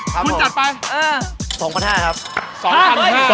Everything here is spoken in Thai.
ครับผมคุณจัดไปเออ๒๕๐๐ครับ